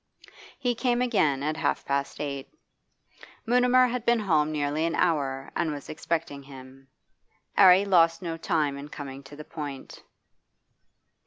He came again at half past eight. Mutimer had been home nearly an hour and was expecting him. 'Arry lost no time in coming to the point.